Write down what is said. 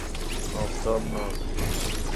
آفتاب ناک